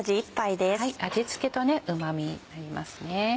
味付けとうま味になりますね。